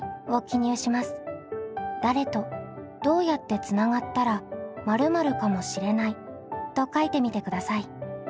「誰とどうやってつながったら〇〇かもしれない」と書いてみてください。